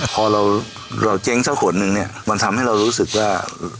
พอเราเจ๊งสักคนหนึ่งเนี่ยมันทำให้เรารู้สึกว่า